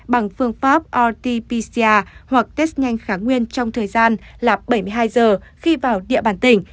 bằng phương pháp rt pcr hoặc test nhanh kháng nguyên trong thời gian là bảy mươi hai giờ khi vào địa bàn tỉnh